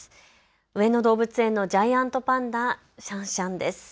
上野動物園のジャイアントパンダ、シャンシャンです。